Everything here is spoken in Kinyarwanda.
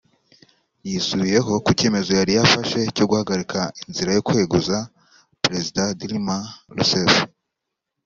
yisubiyeho ku cyemezo yari yafashe cyo guhagarika inzira yo kweguza Perezida Dilma Rousseff